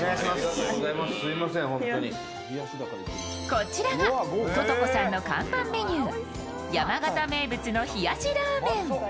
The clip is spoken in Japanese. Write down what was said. こちらがととこさんの看板メニュー、山形名物の冷やしラーメン。